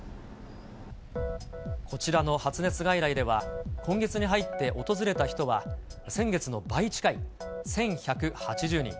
こちらの発熱外来では、今月に入って訪れた人は、先月の倍近い１１８０人。